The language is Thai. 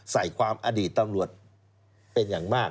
ใส่ความอดีตตำรวจเป็นอย่างมาก